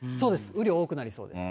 雨量多くなりそうです。